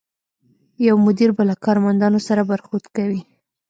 یو مدیر به له کارمندانو سره برخورد کوي.